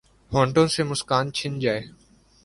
ہونٹوں سے مسکان چھن جائے